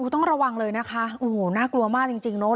ต้องระวังเลยนะคะโอ้โหน่ากลัวมากจริงเนอะ